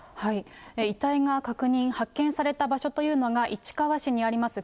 遺体が確認、発見された場所というのが、市川市にあります